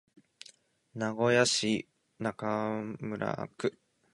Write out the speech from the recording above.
名古屋市中村区